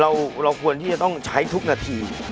เราควรที่จะต้องใช้ทุกนาที